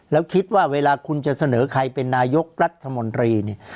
แล้วคิดว่าเวลาคุณจะเสนอใครเป็นนายกรัฐมนตรีเนี่ย